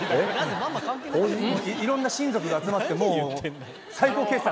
いろんな親族が集まってもう最高傑作。